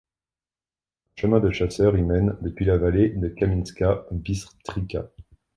Un chemin de chasseur y mène depuis la vallée de Kamniška Bistrica.